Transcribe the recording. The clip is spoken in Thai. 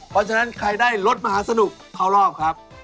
เพราะฉะนั้นใครได้รถมหาสนุกเข้ารอบครับ